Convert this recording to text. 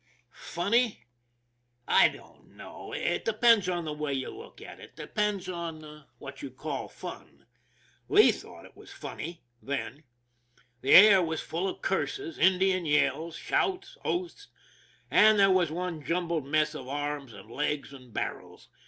Funny? I don't know; it depends on the way you look at it, depends on what you call fun. Lee thought it was funny then. The air was full of curses, In dian yells, shouts, oaths; and there was one jumbled mess of arms, and legs, and barrels.